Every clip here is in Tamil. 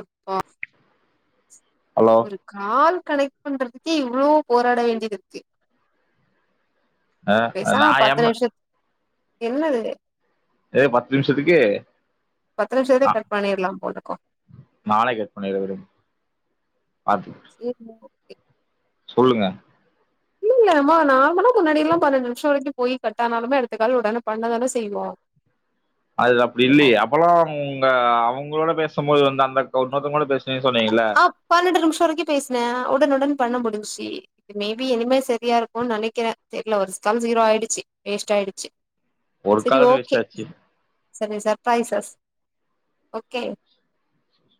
ம் ம் ஹலோ கால் கனெக்ட் பண்றதுக்கே இவ்வளோ போராட வேண்டியது இருக்கு ஆ நா பேசாமா பத்து எம் நிமிஷத்து என்னது ஏய் பத்து நிமிஷத்துக்கு பத்து நிமிஷத்தே கட் பண்ணி இருக்கலா போல கோ நாளைக்கு அப்ப இத விடு பாத்து ஏக் மோ ஓகே சொல்லுங்க இல்ல அம்மா நார்மலா முன்னாடி எல்லா பன்னெண்டு நிமிஷோ வரைக்கு போய் கட்டானாலுமே அடுத்த கால் ஒடனே பண்ண தான செய்வோ அது அப்டி இல்லயே அப்பல்லா அவங்க அவங்களோட பேசம்போது வந்து அந்த இன்னொத்தங்க கூட பேசன்னு சொன்னீங்கல்ல ஆ பன்னெண்டு நிமிஷோ வரைக்கு பேசுனே உடனே உடனே பண்ண முடிஞ்சி மேபி இனிமே சரியா இருக்குன்னு நெனைக்கிறே தெரியல ஒரு ஸ்கால் ஜீரோ ஆயிடுச்சு வேஸ்ட் ஆயிடுச்சு ஒரு சரி கால்ல ஓக்கே வேஸ்ட் ஆச்சு [unintelligible] ஓகே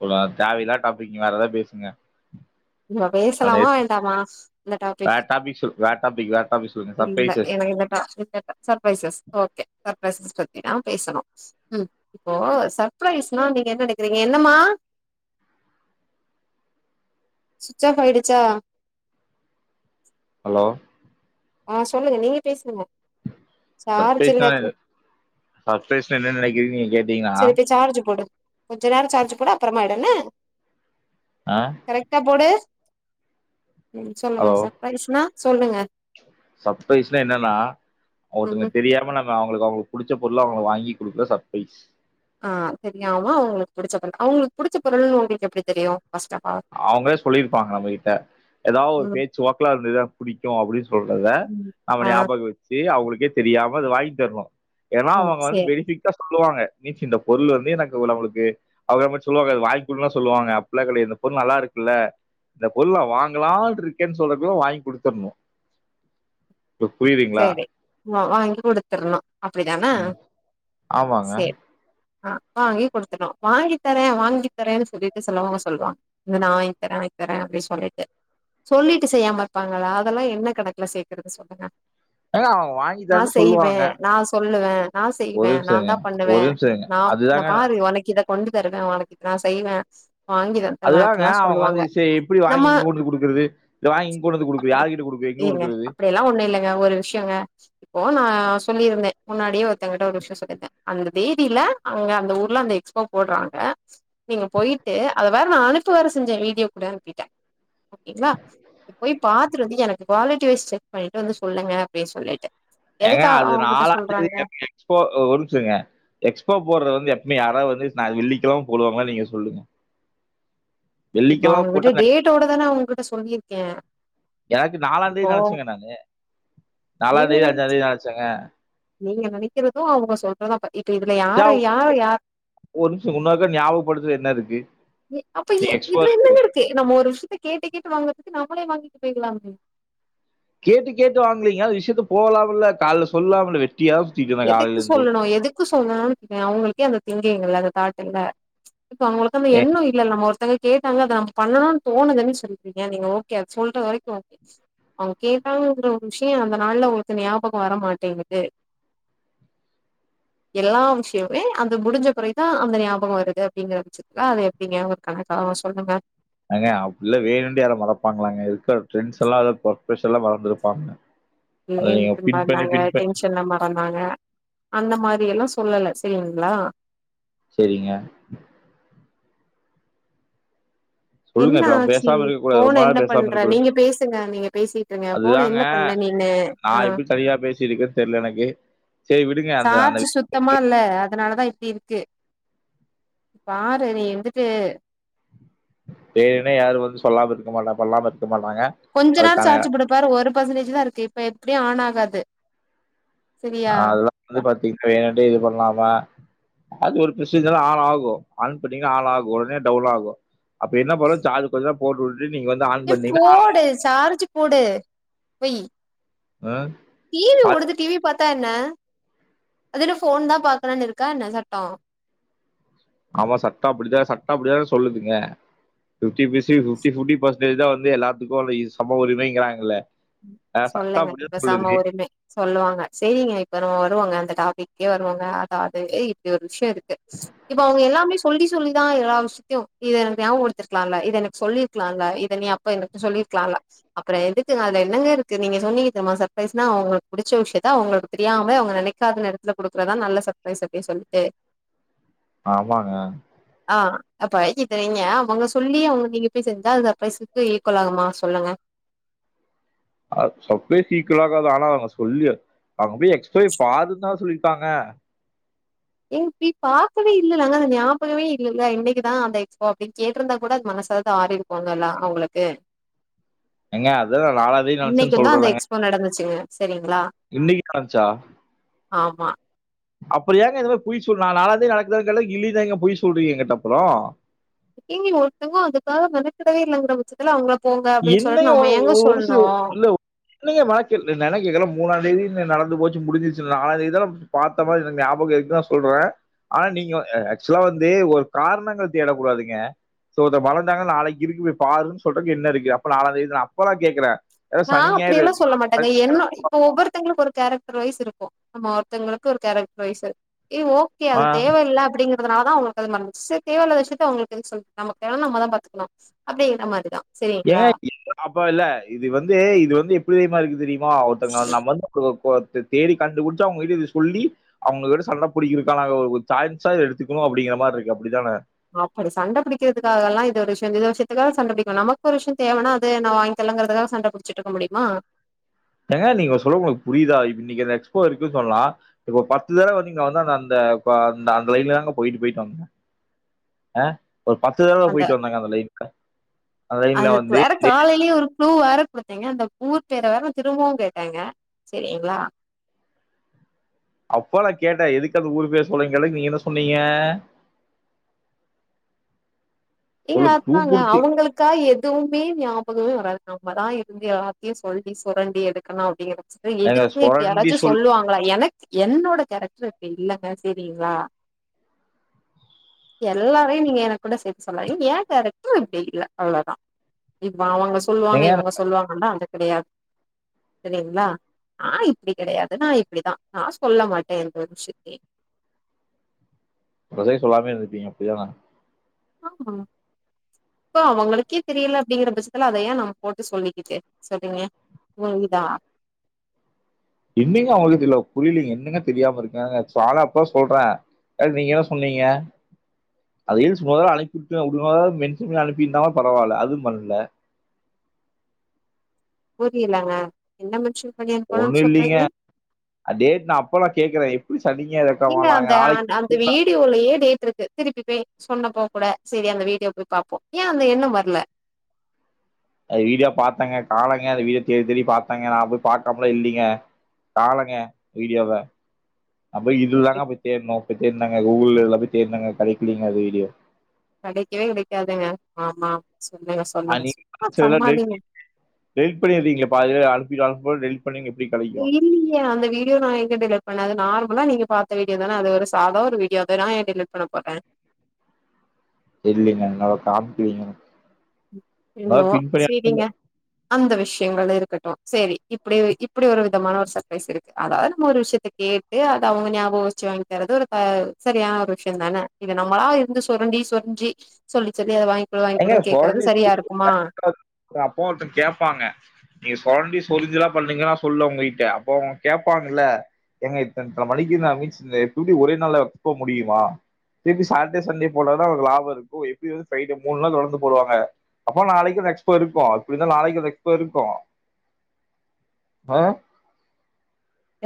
பொதுவா தேவல்லா டாப்பிக் வேற ஏதாது பேசுங்க நம்ம அப்டே பேசலாமா வேண்டாமா இந்த டாபிக் வேற சொல் வேற டாபிக் வேற டாபிக் சொல்லுங்க இல்ல சர்ப்ரைசஸ் எனக்கு இந்த [unintelligible] சர்பரைசஸ் ஓக்கே சர்பரைசஸ் பத்திதா பேசணும் ம் இப்போ சர்பரைஸ்னா நீங்க என்ன நனைக்கிறீங்க என்னம்மா சுச்சாஃப் ஆயிடுச்சா ஹலோ ஆ சொல்லுங்க நீங்க பேசுங்க சார்ஜ் இல்ல சர்ப்ரைஸ்னா இருக்கு. என்ன சர்ப்ரைஸ்னா என்ன நெனைக்கிறீங்கன் நீங்க கேட் சரி போய் சார்ஜ் போடு கொஞ்ச நேரோ சார்ஜ் போடு அப்பறமா எடு என்ன ஆ கரெக்ட்டா போடு ம் சொல்லுங்க சர்பரைஸ்னா சொல்லுங்க சர்ப்ரைஸ்ன்னா என்னன்னா ஒருத்தவங்க ம் தெரியாம நம் அவங்களுக்கு அவங்களுக்கு புடிச்ச பொருள அவங்களுக்கு வாங்கி குடுக்கறது சர்பரைஸ் ஆ சரி ஆமா அவங்களுக்கு புடிச்ச பொருள் அவங்களுக்கு புடிச்ச பொருள்னு உங்களுக்கு எப்டி தெரியும் ஃபர்ஸ்ட்டா அவங்களே சொல்லிருப்பாங்க நம்மகிட்ட ஏதாவு ஒரு ம் பேச்சு வாக்கள அதுல இத புடிக்கும் அப்டின்னு சொல்றத ம் நாம ஆ ஞாபகம் வச் ச்சு அவங்களுக்கே தெரியாம அது வாங்கி தரணும் ஏன்னா ம் அவங்க வந்து சேரி பெனிபிட் கிட்ட சொல்லுவாங்க நீச்சி இந்த பொருள் வந்து எனக்கு அவங்களுக்கு அவங்க நம்மட்ட சொல்லுவாங்க அது வாங்கிக்குடுன்ல்லா சொல்லுவாங்க அப்பல்லா கெடையாது இந்த பொருள் நல்லா இருக்குல்ல இந்த பொருள் நா வாங்கலான் இருக்கேன்னு சொல்றக்குள்ள வாங்கி குடுத்துடணும் சோ புரிது செரி வாங்கி குடுத்துறனும் அப்டிதான ம் ஆமாங்க செரி ஆ வாங்கி குடுத்தனும் வாங்கி தரேன் வாங்கி தரேன்னு சொல்லிட்டு சிலவங்க சொல்லுவாங்க இது நா வாங்கி தரே வாங்கி தரே அப்டின்னு சொல்லிட்டு சொல்லிட்டு செய்யாம இருப்பாங்கல்ல அதெல்லா என்ன கணக்குல சேக்கறது சொல்லுங்க எங்க அவங்க வாங்கி நா தரேன்னு செய்வே சொல்லுவாங்க நா சொல்லுவே நா ஒரு செய்வே நா நிமிஷம் தா இருங்க பண்ணுவே ஒரு நிமிஷம் இருங்க நா ந அதுதாங்க பாரு ஒனக்கு இத கொண்டு தருவ அவ ஆளுக்கு நா செய்வே வாங்கித அதுதாங்க அவுங்க வந்து எப்டி வாங்கி இங்க கொண்டு குடுக்குறது இல்ல வாங்கி இங்க கொண்டது கொடுக்கு யாருகிட்ட கொடுப்ப எங்க கொடுக்குது எல்லா ஒன்னு இல்லங் ஒரு விஷயங்க இப்போ நா சொல்லியிருந்தே முன்னாடியே ஒருத்தவங்கிட்ட ஒரு விஷயோ சொல்லி இருதே அந்தப் தேனில அங்க அந்த ஊர்ல அந்த எக்ஸ்போ போடுறாங்க நீங்க போயிட்டு அத வேற நா அனுப்பு வேர செஞ்ச வீடியோ கூட அனுப்பிட்டே ஓகேங்களா இப் போய் பாத்துட்டு வந்து எனக்கு குவாலிட்டி வைஸ் செக் பண்ணிட்டு வந்து சொல்லுங்க அப்டி சொல்லிட்டு ஏங்க எதுக்கு அவ- அது அவங்ககிட்ட நாலா தேதி சொல்றாங்க எக்ஸ்போ ஒரு நிம்ஷ இருங்க எக்ஸ்போ போடுறது வந்து எப்புமே யாராவுது வந்து வெள்ளிக்கலம போடுவாங்களா நீங்க சொல்லுங்க இப்போ வெள்ளிக்கிழமை போட்டா அவுங்ககிட்ட டேட்டோட தான அவுங்ககிட்ட சொல்லியிருக்கே எனக்கு இப்போ நாலாந்தேதி நெனச்சங்க நானு நீங்க நாலாந்தேதி நென அஞ்சாந்தேதி நெனச்சங்க நீங்க நெனைக்குறது அவுங்க சொல்றது அப்ப இதுல சரி, யாரு அவங்க யாரு யார் ஒரு நிம்ஷோ இன்னோர்க்கா ஞாபகபடுத்துற என்ன இருக்கு எ அப்ப நீங்க எ எக்ஸ்போ இதுல என்னங்க இருக்கு நம்ம ஒரு விஷயத்த கேட்டு கேட்டு வாங்றதுக்கு நம்மளே வாங்கிட்டு பேய்ர்லாமே கேட்டு கேட்டு வாங்கலீங்க அது விஷயத்த போலாம்ல கால சொல்லாம்ல வெட்டியா சுத்திட்டு இருந்தேன் காலையில எதுக் இருந்து சொல்ணு எதுக்கு சொல்லணுனு கேக்க அவுங்ளுக்கே அந்த திங்கிங் இல்ல அந்த தாட்டில்ல இப்ப அவுங்களுக் நம்ம என்னுய் இல்ல நம்ம ஒருத்தங்க கேட்டாங்க அத நம்ம பண்ணணுனு தோணுதுன்னு சொல்லிட்டிங்க நீங்க ஓகே அது சொல்ற வரைக்கு ஓகே அவுங்க கேட்டாங்கங்கிற ஒரு விஷயோ அந்த நாள்ல ஒருத்த ஞாபகோ வர மாட்டேங்குது எல்லா விஷயமே அந்த முடிஞ்ச பெறகுதா அந்த ஞாபகோ வருது அப்டிங்கறபச்ச ல அது எப்டிங்க ஒரு கணக்கா சொல்லுங்க எங்க அப்டில வேணுண்டே யாரா மறப்பாங்ளாங்க இருக்க ட்ரெண்ஸல்ல இல்ல ஒர்க்ப்ரசல்ல மறந்துருப்பாங்க அதை இங்கேந்து நீங்க திம் பின் பண்ணி மார்னாங்க பின் பண்ணி டென்ஷன்ல மற பன்னாங்க அந்த மாரி எல்லா சொல்லல செரிங்ளா செரிங்க சொல்லுங்க என்ன இப்ப அவன் ஆச்சு பேசாம இருக்க கூடாது போன ரொம்ப என்ன நாள் பேசாம பண்ற இருக்க கூடாது நீங்க பேசுங்க நீங்க பேசிட்ருங்க போன என்ன பண்ண நீனு அ சரியா பேசிருக்கு தெர்ல எனக்கு சேரி விடுங்க அந்த அந்த சார்ஜு சுத் த்தமா இல்ல அதனாலதா இப்டி இருக்கு பாரு நீ வந்துட்டு வேணுனே யாரு வந்து சொல்லாம இருக்க மாட்டாங்க பொல்லாம இருக்க மாட்டாங்க கொஞ்ச நேரோ அதுக்கான சார்ஜு போட்டுப்பாரு ஒரு பெர்சன்டேஜ் தா இருக்கு இப்ப எப்டியு ஆன் ஆகாது அ செரியா அதெல்லா வந்து பாத்தீங்னா ஏன்ட்டே இது பண்ணாம அது ஒரு ப்ரொஸிஜர் ஆன் ஆகு ஆன் பண்ணீங்னா ஆன் ஆகு உடனே டவுல் ஆகு அப்ப என்ன பண்ணோ சார்ஜ் கொஞ்சோ போட்டு வுட்டு நீங்க வந்து ஆன் பண்ணீங்கனா ஆன் ஆய்ரு சார்ஜு போடு வய் அ டிவி ஒடுது டிவி பாத்தா என்ன அதென்ன போன் தா பாக்கனுனு இருக்கா என்ன சட்டோ ஆமா சட்டோ அப்டிதா சட்டோ அப்டிதா சொல்லுதுங்க டொன்டி பீசி பிப்டி போட்டி பசன்டேஜ் தா வருது எல்லாத்துக்கு இதுல சம உரிமைய்ங்கராங்கல சொல்லுங்க இப்ப சம உரிமை சொல்லுவாங்க செரிங்க இப்ப நம்ம வருவோங்க அந்த டாபிக்கே வருவோங்க அதாவுது இப்டி ஒரு விஷயோ இருக்கு இப்போ அவுங்க எல்லாமே சொல்லி சொல்லிதா எல்லா விஷயத்தையு இத எனக்கு நியாவபடுத்ருக்குலால இத எனக்கு சொல்லி ருக்லால இத நீ அப்ப எனக்கு சொல்லிருக்கலால அப்பறோ எதுக்குங்க அதுல என்னங்க இருக்கு நீங்க சொன்னீங்க தெர்மா சர்ப்ரைஸ்னா அவுங்களுக் புடிச்ச விஷயத்த அவுங்களுக்கு தெரியாம அவுங்க நெனைக்காத நேரத் துல குடுக்குறதா நல்ல சர்பரைஸ் அப்டியே சொல்ட்டு ஆமாங்க ஆ அப்ப இப்ப நீங்க அவங்க சொல்லி அவங்க நீங்க போய் செஞ்சா அந்த சர்ப்ரைஸுக்கு ஈக்குவல் ஆகுமா சொல்லுங்க அது சர்ப்ரேஸ் ஈக்குவல் ஆகாது ஆனா அவுங்க சொல்லி அவுங்க போய் எக்ஸ்பே பாருன்னு தான சொல்லிட்டாங்க ஏங்க பேய் பாக்கவே இல்லலங்கா அந்த நியாபகமே இல்லல இன்னைக்குதா அந்த எக்ஸ்போ அப்டின் கேட்ருந்தா கூட அது மனசாவது ஆரிருக் குங்கலா அவங்களுக்கு ஏங்க அதுதா நாலந்தேதி நடந்ச்சுனு சொல்றேலங்க போ நடந்துச்சுங்க சரிங்ளா இன்னைக் நடந்ச்சா ஆமா அப்றோ ஏங்க இந்த மார் பொய் சொல் நா நாலாந்தேதி நடக்குதான் கேட்டக் இல்லினு ஏங்க பொய் சொல்றீங்க எங்கிட்ட அப்றோ ஏங்க ஒருத்தவங்க அதுக்காக மெனக்கடவே இல்லங்குற பட்ச்ச த்துல அவங்கள போங்க அப்டின் சொல்ட்டு என்னங்க நம்ம ஒரு ஏங்க ஒரு சி சொல்ணு இல்ல என்னங்க வாக்கில் நா என்ன கேக்குற மூணா தேதி ந நடந்து போச்சு முடிஞ்சிருச்சு நாலாந்தேதிதான பாத்த மாதி எனக்கு நியாபகோ இருக்குனுதா சொல்ற ஆனா நீங்க அ ஆக்சுவலா வந்து ஒரு காரணங்கள் தேடக்கூடாதுங்க சோ இத மறந்துட்டாங்க நாளைக்கு இருக்கு போய் பாருன் சொல்றக்கு என்னருக்கு அப்ப நாளாந்தேதிதா அப்பலா கேக்குற நா அப்டியெல்லா சொல்ல மாட்டேங்க என்னோ இப்போ ஒவ்வொருத்தவங்களுக் ஒரு கேரக்டர் வைஸ் இருக்கு நம்ம ஒருத்தவங்களுக்கு ஒரு கேரக்டர் வைஸு எ ஓகே அது ஆ. தேவயில்ல அப்டிங்க அதனாலதா அவங்களுக்கு அது மறந்ச்சு செ தேவ இல்லாத விஷயத்த அவங்ளுக் எதுக் சொல் நமக்கு தேவனா நம்மதா பாத்துக்கனு அப்டிங்கற மாரிதா ஏங்க சரிங்களா இல் அப்ப இல்ல இது வந்து இது வந்து எப்டி தெரிமா இருக்கு தெரியுமா ஒருத்தங்கள நம்ம வந்து க்ளோ [unintelligible] தேடி கண்டுபுடிச்சு அவங்கிட்ட இத சொல்லி அவங்ககிட்ட சண்ட புடிக்கிறதுக்கான ஒ ஒரு ஜான்சா இத எடுத்துக்கணு அப்டிங்கிற மார்ருக்கு அப்டிதான அப்படி சண்ட புடிக்கிறதுக்காகெல்லா இது ஒரு விஷயோன் சொ இந்த விஷயத்துக்காக சண்ட பிடிக்கனா நமக்கு ஒரு விஷயோ தேவனா அதை நா வாங் சொல்லங்றதுக்காக சண்ட புடிச்சுட்டு இருக்க முடியுமா ஏங்க நீங்க சொல்ல உங்களுக்கு புரியுதா இன்னைக்கு இந்த எக்ஸ்போ இருக்குன்னு சொல்லலா இப்போ பத்து தடவ வந்து நீங்க வந்து அந்த அந்த ப அந்த அந்த லைன்ல தாங்க போயிட்டு போயிட்டு வந்தேங் அ ஒரு பத்து தடவ போயிட்டு வந்தங்க அந்த லைனுக்கு அந்த லைன்ல வந்து காலைலே ஒரு குளூ வேற குடுத்தேங்க அந்த குளு தெர்ற வர நா திரும்பவு கேட்டங்க செரிங்ளா அப்போ நா கேட்டே எதுக்கு அந்த ஊரு பேர் சொல்றிங் கேட்டதுக்கு நீங்க என்ன சொன்னீங்க ஏங்க சொல்லு க்ளூ அதாங்க குடுத்து அவங்களுக் கா எதுவுமே நியாபகமே வராது நம்மதா இருந்து எல்லாத்தையு சொல்லி சொரண்டி எடுக்கணு அப்டிங்கற பச்ச ஏங்க எதுக்குங்க இப்டி சொரண்டி யாராச்சு சொல்லி சொல்லுவாங்களா எனக்கு என்னோட கேரக்டர் இப்டி இல்லங்க சேரிங்களா எல்லாரையு நீங்க எனக் கூட சேத் து சொல்லா இ ஏ கேரக்ட்ரு இப்டி இல்ல அவ்ளோதா இப்ப அவங்க சொல்லுவாங்க இவங்க ஏங்க சொல்லுவாங்கன்லா அந்து கெடையாது செரிங்ளா ஆ இப்டி கெடையாது நா இப்டிதா நா சொல்ல மாட்ட எந்த ஒரு விஷயத்தையு உங்க ஸைடு சொல்லாமே இருந்துப்பீங்க அப்டிதானா ஆமா சோ அவங்களுக்கே தெரியல அப்டிங்கிற பட்சத்துல அத ஏ நம்ம போட்டு சொல்லிக்கிட்டு சொல்லுங்க புரியுதா என்னங்க அவங்களுக்கு தெர்ல புரியலிங்க என்னங்க தெரியாம இருக்காங்க சாதாப்பா சொல்ற அது நீங்கதா சொன்னீங்க அதயு சும்மா வேற அனுப்பிர்ப்பே [unintelligible] மென்சன் பண்ணி அனுப்பிருந்தாவா பரவால்ல அது பண்ல புரியலங்க என்ன மென்ஷன் பண்ணி அனுப்பனுன் ஒண்ணு இல்லைங்க சொல்றீங்க டேட் நா அப்பதா கேக்றே எப்டி சனி ஞாயிறு இருக்க ஏங்க மாட்டாங்க அந்த நாளைக் அந்த அந்த வீடியோலயே டேட் இருக்கு திருப்பி போய் சொன்னப்போ கூட சரி அந்த வீடியோ போய் பாப்போ ஏ அந்த எண்ணம் வர்ல அது வீடியோ பாத்தங்க காணங்க அந்த வீடியோ தேடி தேடி பாத்தங்க நா போய் பாக்காமலா இல்லிங்க காணங்க வீடியோவ நா போய் இதுல் தாங்க போய் தேட்னோ அப்ப தேட்னங்க கூகிள்லலா போய் தேட்னங்க கிடைக்கலீங்க அது வீடியோ கெடைக்கவே கெடைக்காதுங்க ஆமா சொல்லுங்க [inaudible] சொல்லுங்க சும்மா சமாளிங்க டெலிட் பண்ணிர்றீங்ளே பாதி வேர் அனுப்பிட் அனுப்பும் போது டெலீட் பண்ணீங்க எப்டி கெடை இல்லீயே அந்த வீடியோ நா எ ங்க டெலிட் பண்ண அது நார்மலா நீங்க பாத்த வீடியோதான அது ஒரு சாதா ஒரு வீடியோதா நா ஏ டெலிட் பண்ண போறே இல்லைங்க அதனால காம்க்லீங்க இன்னு சேரிங்க அந்த விஷயங்கள் இருக்கட்டு சேரி இப்டி இப்டி ஒரு விதமான ஒரு சர்ப்ரைஸ் இருக்கு அதாவது நம்ம ஒரு விஷயத்த கே ட்டு அது அவுங்க ஞாபக வச்சு வாங்கி தரது ஒரு சரியான ஒரு விஷயந்தானே இது நம்மளா இருந்து சொரண்டி சொருஞ்சி சொல்லி சொல்லி அத வாங் குடு வாங் குடு கே [inaudible] அப்போ ஒருத்தங் கேப்பாங்க நீங்க சொரண்டி சொரிஞ்சுலா பண்ணுங்க நா சொல்ல உங்க கிட்ட அப்ப அவங்க கேப்பாங்கல்ல ஏங்க இத்தன் இத்தன மணிக்கு நா [unintelligible] இந்த [unintelligible] ஒரே நாள்ல [unintelligible] முடியுமா திருப்பி சாட்டே சண்டே போனாதா அவருக்கு லாப இருக்கு எப்டி வந்து ஃப்ரை மூண் நாள் தொடந்து போடுவாங்க அப்போ நாளைக்கு அந்த எக்ஸ்போ இருக்கு எப்டிந்தா நாளைக்கு அந்த எக்ஸ்போ இருக்கு ஆ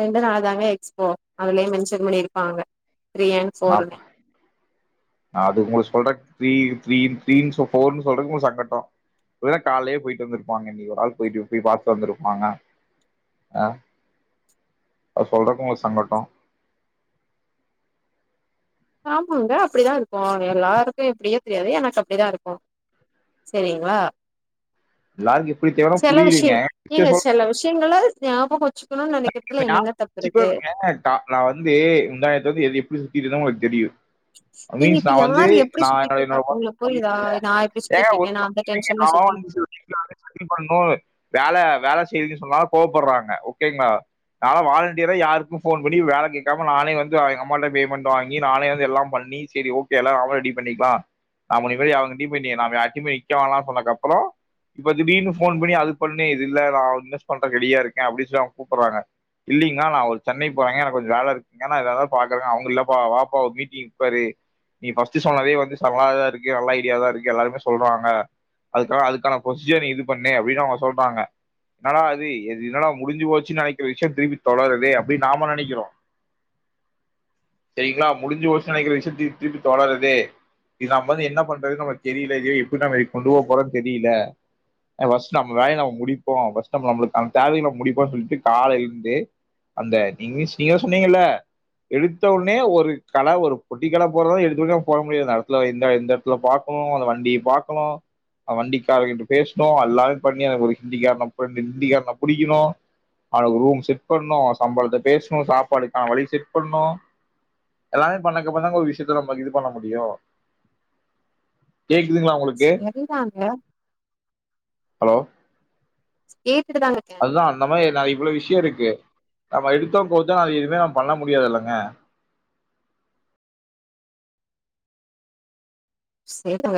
ரெண்டு நாள் தாங்க எக்ஸ்போ அதுலயே மென்ஷன் பண்ணிருப்பாங்க த்ரீ அண்ட் நான் ஃபோர்னு அது உங்களுக் சொல்ற த்ரீ த்ரீ த்ரீன் ஃபோர்னு சொல்றக்கு உங் சங்கட்டோ ஒரு வேள கால்லயே போயிட்டு வந்துருப்பாங்க நீ ஒரு ஆள் போயிட்டு போய் பாத்துட் வந்துருப்பாங்க அ அது சொல்றக்கு உங்களுக் சங்கட்டோ ஆமாங்க அப்டிதா இருக்கு எல்லாருக்கு எப்டியே தெரியாது எனக் அப்டிதா இருக்கு செரிங்ளா எல்லாருக்கும் எப்படி தேவைன்னா சில விஷ்ய புரியலீங்க சரி ஏங்க சொல்றேன் சில விஷ்யங்கள ஞாபக வச்சு க்கணுன் நெனக்கறதுல என்னங்க தப்பு இருக்கு தா நா வந்து முந்தா நேத்து வந்து எ எப்டி சுத்திட்ருந்த உங்களுக்கு தெரியு ஏங்க இப்ப யாரு எப்டி என்னோட சுத்திட்ருக்கா உங்களுக் என்னோட புரியுதா நா இப்டி சுத்திட்ருக்கேனா இந்த டென்ஷன்ல சுத்தி [inaudible] பண்ணு வேல வேல செய்டின் சொன்னா கோவப்பட்றாங்க ஓகேங்ளா நாலா வாலண்டியரா யாருக்கு ஃபோன் பண்ணி வேல கேக்காம நானே வந்து எங்க அம்மாட்ட பேமண்ட் வாங்கி நானே வந்து எல்லா பண்ணி சரி ஓக்கே எல்லா அவ ரெடி பண்ணிக்லா நா உன்னயு மாரி எவங்கிட்டயு போய் யார்கிட்டயு நிக்க வேணான் சொன்னதுக்கப்றோ இப்ப திடீனு ஃபோன் பண்ணி அது பண்ணி இது இல்லடா இன்வெஸ் பண்றக் ரெடியா இருக்கே அப்டி சொ அவங்க கூப்பர்றாங்க இல்லிங்னா நா ஒரு சென்னை போறங்க எனக் கொஞ்ச வேல இருக்குங்க நா வேற ஏதா பாக்கறே அவுங்க இல்லப்பா வாப்பா ஒரு மீட்டிங் உக்காரு நீ ஃபர்ஸ்ட்டு சொன்னதே வந்து செமாதா இருக்கு நல்ல ஐடியாவா இருக்கு எல்லாருமே சொல்றாங்க அதுக்காக அதுக்கான ப்ரொசீஜ நீ இது பண்ணு அப்டின் அவுங்க சொல்றாங்க என்னடா இது எது என்னடா முடிஞ்சு போச்சு நெ சில விஷ்யோ திருப்பி தொடருதே அப்டின் நாம நெனக்கிறோ சரிங்ளா முடிஞ்சு போச்சு நெனக்கிற விஷயத் திருப்பி திருப்பி தொடருது இது நம்ப வந்து என்ன பண்றதுன் நமக் தெரில இது எப்டி நம்ம இது கொண்டு போ போறோன் தெரில ஃபஸ்ட் நம்ம வேலய நம்ப முடிப்போ ஃபஸ்ட் நம்ம நம்பளுக்கான தேவைகள முடிப்போன் சொல்ட்டு காலைருந்து அந்த நீ நீங்கதா சொன்னீங்கள்ல எடுத்தவுனே ஒரு கட ஒரு பொட்டி கட போறது எடுத்தோன போட முடியாது எடத்துல இந்த இந்த உங்கள பாக்கணு அந்த வண்டிய பாக்கணு வண்டிக்காரர்கிட்ட பேசணு எல்லா பண்ணி எனக் ஒரு ஹிந்தி காரன ஹிந்தி காரன புடிக்கணு அவனுக் ரூம் செட் பண்ணு சம்பளத்த பேசணு சாப்பாடுக்கான வழி செட் பண்ணு எல்லாமே பண்ணக்கப்பறோதாங்க ஒரு விஷ்யத்த நம்ம இது பண்ண முடியு கேக்குதுங்ளா உங்களுக்கு சரிதாங்க ஹலோ கேட்டுட்டுதாங்க இருக்கேன் இல்ல அந்த மாரி ந இவ்ளோ விஷ்யோ இருக்கு நம்ம எடுத்தோ கவுத்தோ அத எதுவுமே நம்ம பண்ண முடியாது இல்லங்க செரிதாங்க